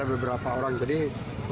dan ada beberapa orang yang berkata